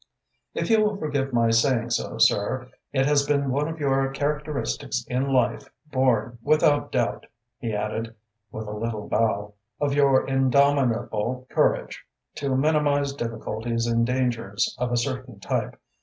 If you will forgive my saying so, sir, it has been one of your characteristics in life, born, without doubt," he added, with a little bow, "of your indomitable courage, to minimise difficulties and dangers of a certain type.